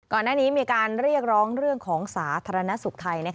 ก่อนหน้านี้มีการเรียกร้องเรื่องของสาธารณสุขไทย